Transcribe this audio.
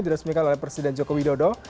diresmikan oleh presiden joko widodo